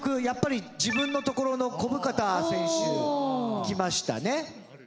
やっぱり自分のところの小深田選手いきましたね。